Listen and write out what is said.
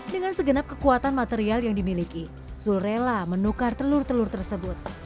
dengan segenap kekuatan material yang dimiliki zul rela menukar telur telur tersebut